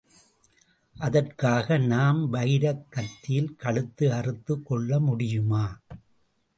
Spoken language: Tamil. அதற்காக நாம் வைரக் கத்தியில் கழுத்து அறுத்துக் கொள்ள முடியுமா?